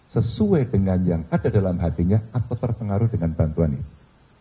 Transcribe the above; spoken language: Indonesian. sesuai dengan yang ada dalam hatinya atau terpengaruh dengan bantuan ini